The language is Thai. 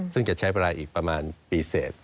ซึ่งจะใช้เวลาอีกประมาณปีเสร็จ